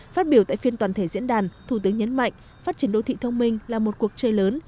phát biểu tại phiên toàn thể diễn đàn thủ tướng nhấn mạnh phát triển đô thị thông minh là một cuộc chơi lớn